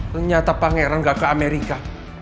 ternyata pangeran gak ke amerika